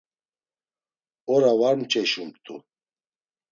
Ora var mç̌eşumt̆u.